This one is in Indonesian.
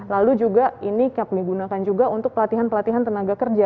lalu juga ini kepmi gunakan juga untuk pelatihan pelatihan tenaga kerja